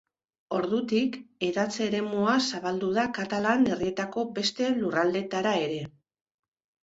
Ordutik, hedatze eremua zabaldu da Katalan Herrietako beste lurraldeetara ere.